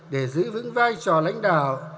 để giữ vững vai trò lãnh đạo